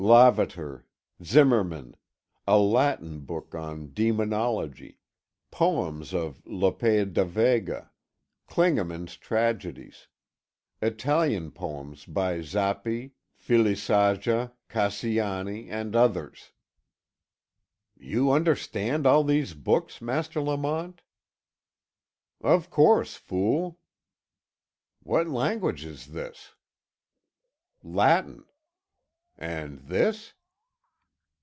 Lavater, Zimmermann, a Latin book on Demonology, poems of Lope da Vega, Klingemann's tragedies, Italian poems by Zappi, Filicaja, Cassiani, and others. "You understand all these books, Master Lamont?" "Of course, fool." "What language is this?" "Latin." "And this?"